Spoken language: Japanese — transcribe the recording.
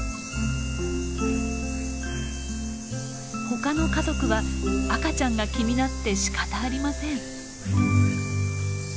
ほかの家族は赤ちゃんが気になってしかたありません。